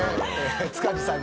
塚地さんが。